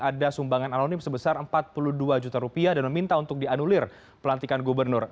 ada sumbangan anonim sebesar empat puluh dua juta rupiah dan meminta untuk dianulir pelantikan gubernur